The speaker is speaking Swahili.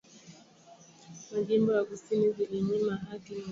majimbo ya kusini zilinyima haki nyingi za kiraia